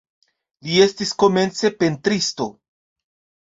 Li estis komence pentristo.